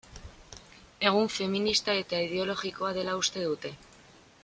Egun feminista eta ideologikoa dela uste dute.